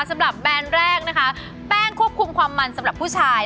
แบรนด์แรกนะคะแป้งควบคุมความมันสำหรับผู้ชาย